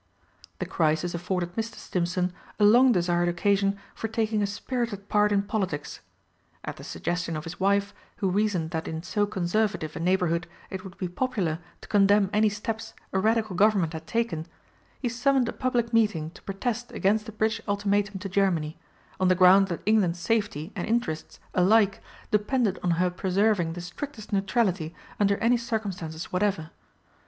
The crisis afforded Mr. Stimpson a long desired occasion for taking a spirited part in politics. At the suggestion of his wife, who reasoned that in so Conservative a neighbourhood it would be popular to condemn any steps a Radical Government had taken, he summoned a public meeting to protest against the British Ultimatum to Germany, on the ground that England's safety and interests alike depended on her preserving the strictest neutrality under any circumstances whatever.